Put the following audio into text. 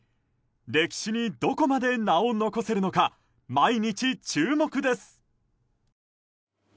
歴史にどこまで名を残せるのか毎日、注目です。